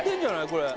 これ。